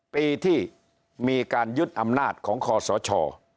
ปีที่มีการยึดอำนาจของคอสช